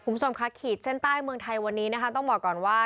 มคขีดเส้นใต้เมืองไทยวันนี้นะคะต้องบอกก่อนว่า